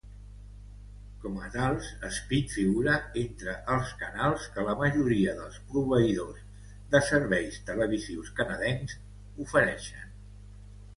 Com a tals, Speed figura entre els canals que la majoria dels proveïdors de serveis televisius canadencs ofereixen.